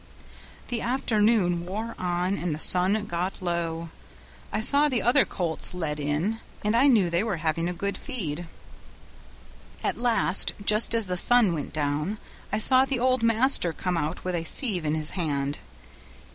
The afternoon wore on, and the sun got low. I saw the other colts led in, and I knew they were having a good feed. "At last, just as the sun went down, I saw the old master come out with a sieve in his hand.